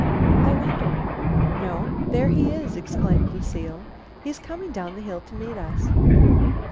"I wonder. No, there he is!" exclaimed Lucile. "He's coming down the hill to meet us."